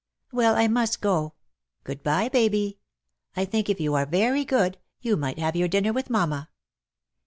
'^ Well, I must go. Good by, Baby. I think, if you are very good, you might have your dinner with mamma.